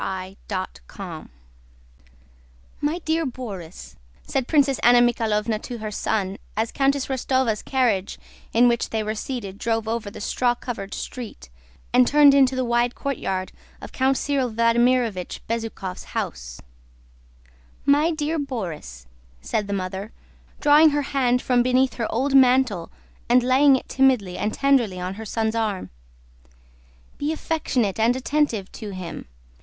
CHAPTER XV "My dear Borís," said Princess Anna Mikháylovna to her son as Countess Rostóva's carriage in which they were seated drove over the straw covered street and turned into the wide courtyard of Count Cyril Vladímirovich Bezúkhov's house. "My dear Borís," said the mother, drawing her hand from beneath her old mantle and laying it timidly and tenderly on her son's arm, "be affectionate and attentive to him.